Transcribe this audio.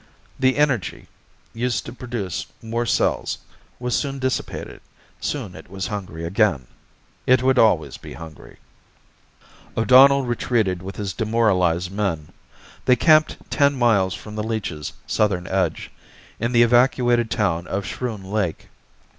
The energy, used to produce more cells, was soon dissipated. Soon it was hungry again. It would always be hungry. O'Donnell retreated with his demoralized men. They camped ten miles from the leech's southern edge, in the evacuated town of Schroon Lake.